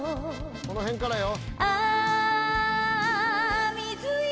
この辺からよ。